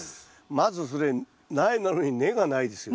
まずそれ苗なのに根がないですよね。